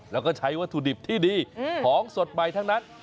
แล้วก็ใช้วัตถุดิบที่ดีของสดใหม่ทั้งนั้น